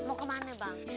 mau kemana bang